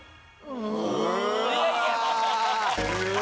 うわ！